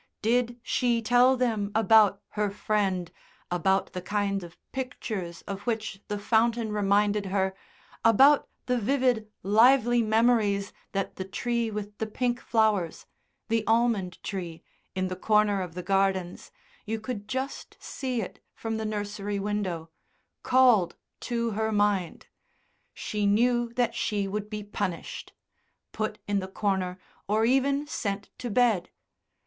Did she tell them about her friend, about the kind of pictures of which the fountain reminded her, about the vivid, lively memories that the tree with the pink flowers the almond tree in the corner of the gardens you could just see it from the nursery window called to her mind; she knew that she would be punished put in the corner, or even sent to bed.